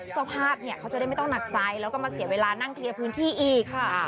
เจ้าภาพเนี่ยเขาจะได้ไม่ต้องหนักใจแล้วก็มาเสียเวลานั่งเคลียร์พื้นที่อีกค่ะ